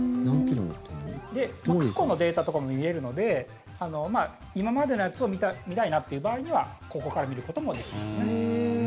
過去のデータとかも見れるので今までのやつを見たいなという場合にはここから見ることもできますね。